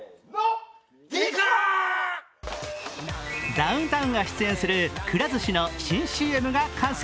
ダウンタウンが出演するくら寿司の新ＣＭが完成。